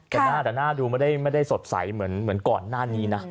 แต่หน้าแต่หน้าดูไม่ได้สดใสเหมือนก่อนหน้านี้นะ